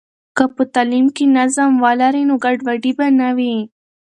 که په تعلیم کې نظم ولري، نو ګډوډي به نه وي.